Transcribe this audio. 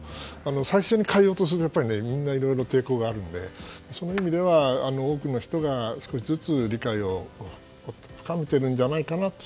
最初に変えようとするとみんないろいろ抵抗があるのでそういう意味では多くの人が少しずつ理解をしてきているのではないかと。